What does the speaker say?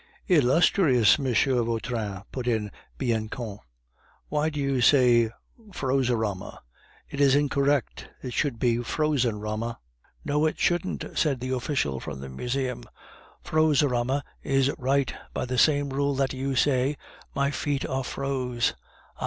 "Illustrious M. Vautrin," put in Bianchon, "why do you say frozerama? It is incorrect; it should be frozenrama." "No, it shouldn't," said the official from the Museum; "frozerama is right by the same rule that you say 'My feet are froze.'" "Ah!